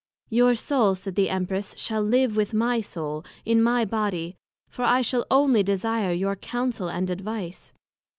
Your Soul, said the Empress, shall live with my Soul, in my Body; for I shall onely desire your Counsel and Advice.